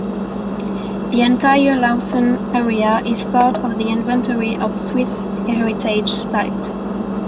The entire Lausen area is part of the Inventory of Swiss Heritage Sites.